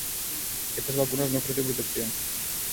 Estas vacunas no ofrecen protección